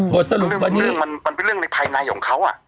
บทสรุปวันนี้มันเป็นเรื่องในภายในของเขาอ่ะ